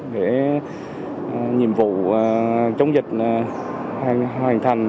để nhiệm vụ chống dịch hoàn thành